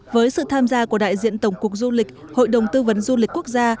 với sự tham gia của đại diện tổng cục du lịch hội đồng tư vấn du lịch quốc gia